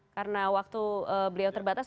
karena waktu beliau terbatas